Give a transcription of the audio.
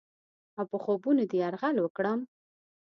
اوپه خوبونو دې یرغل وکړم؟